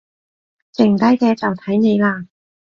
剩低嘅就睇你喇